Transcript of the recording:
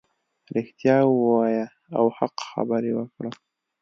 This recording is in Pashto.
رښتیا ووایه او حق خبرې وکړه .